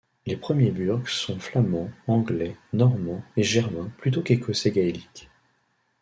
Les premiers burghs sont flamands, anglais, normands, et germains plutôt qu’écossais gaéliques.